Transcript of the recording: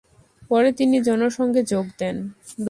পরে তিনি জন সংঘে যোগ দেন।